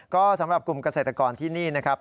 ก็สำหรับกลุ่มเกษตรกรที่นี่นะครับ